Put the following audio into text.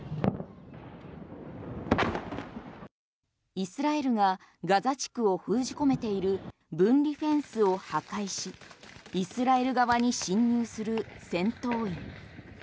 イスラエルがガザ地区を封じ込めている分離フェンスを破壊しイスラエル側に侵入する戦闘員。